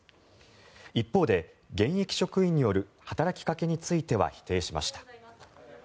一方で現役職員による働きかけについては否定しました。